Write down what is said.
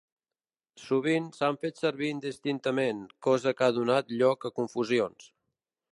Sovint s'han fet servir indistintament, cosa que ha donat lloc a confusions.